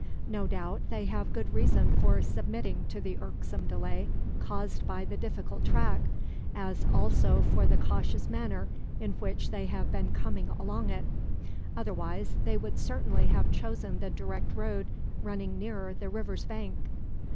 No doubt they have good reason for submitting to the irksome delay caused by the difficult track, as also for the cautious manner in which they have been coming along it. Otherwise, they would certainly have chosen the direct road running nearer the river's bank.